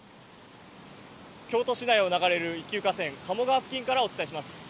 京都市内を流れる１級河川、鴨川付近からお伝えします。